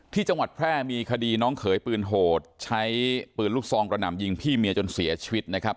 ที่จังหวัดแพร่มีคดีน้องเขยปืนโหดใช้ปืนลูกซองกระหน่ำยิงพี่เมียจนเสียชีวิตนะครับ